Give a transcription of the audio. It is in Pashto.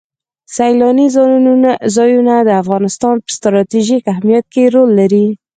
سیلانی ځایونه د افغانستان په ستراتیژیک اهمیت کې رول لري.